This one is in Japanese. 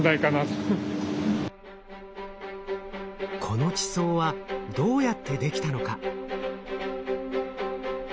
この地層はどうやってできたのか？